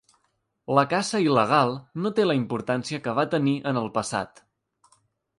La caça il·legal no té la importància que va tenir en el passat.